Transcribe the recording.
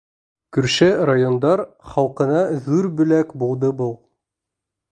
Күрше райондар халҡына ҙур бүләк булды был.